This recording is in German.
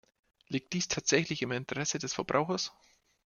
Liegt dies tatsächlich im Interesse des Verbrauchers?